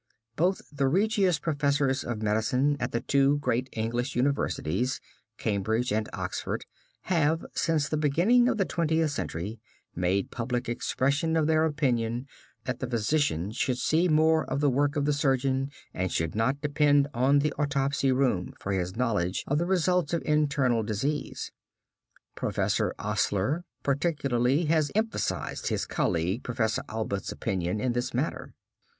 Both the Regius professors of medicine at the two great English universities, Cambridge and Oxford, have, since the beginning of the Twentieth Century, made public expression of their opinion that the physician should see more of the work of the surgeon, and should not depend on the autopsy room for his knowledge of the results of internal disease. Professor Osler, particularly, has emphasized his colleague, Professor Allbutt's opinion in this matter.